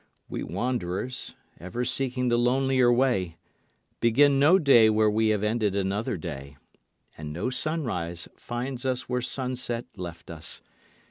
We wanderers, ever seeking the lonelier way, begin no day where we have ended another day; and no sunrise finds us where sunset left us.